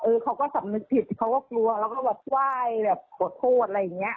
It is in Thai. เขาก็สำนึกผิดเขาก็กลัวแล้วก็แบบไหว้แบบขอโทษอะไรอย่างเงี้ย